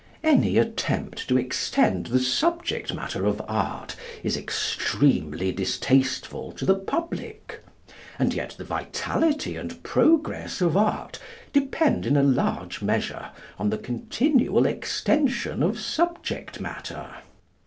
Any attempt to extend the subject matter of art is extremely distasteful to the public; and yet the vitality and progress of art depend in a large measure on the continual extension of subject matter.